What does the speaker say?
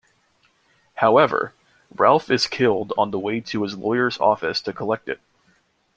However, Ralph is killed on the way to his lawyer's office to collect it.